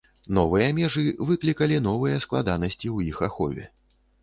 Новыя межы выклікалі новыя складанасці ў іх ахове.